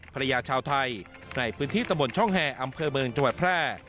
ชาวไทยในพื้นที่ตะบนช่องแอร์อำเภอเมืองจังหวัดแพร่